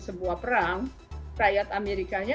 sebuah perang rakyat amerikanya